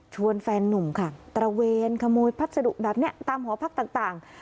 แฟนนุ่มค่ะตระเวนขโมยพัสดุแบบนี้ตามหอพักต่าง